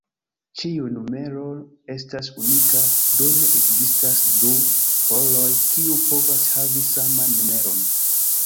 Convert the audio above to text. Ĉiuj numero estas unika, do ne ekzistas du poloj kiu povas havi saman numeron.